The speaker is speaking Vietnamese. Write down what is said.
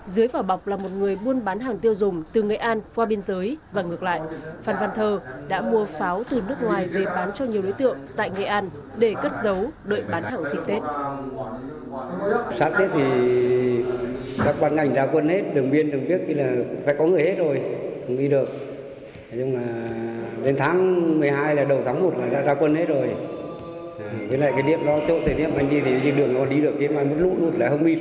dưới vỏ bọc là một người buôn bán hàng tiêu dùng từ nghệ an qua biên giới và ngược lại phan văn thơ đã mua pháo từ nước ngoài về bán cho nhiều đối tượng tại nghệ an để cất dấu đợi bán hàng dịch tết